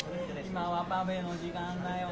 今はパフェの時間だよね？